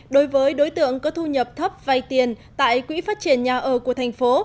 đối với đối tượng có thu nhập thấp vay tiền tại quỹ phát triển nhà ở của thành phố